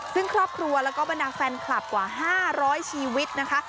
ซึ่งครอบครัวแล้วก็บรรดาแฟนคลับกว่า๕๐๐ชีวิตนะคะ